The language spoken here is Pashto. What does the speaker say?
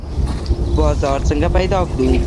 بازار څنګه پیدا کړو؟